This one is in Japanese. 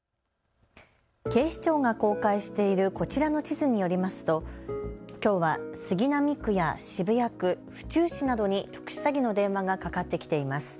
警視庁が公開しているこちらの地図によりますときょうは杉並区や渋谷区、府中市などに特殊詐欺の電話がかかってきています。